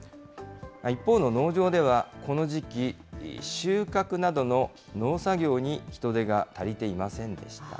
一方の農場では、この時期、収穫などの農作業に人手が足りていませんでした。